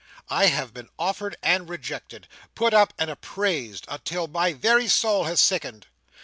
I have been offered and rejected, put up and appraised, until my very soul has sickened.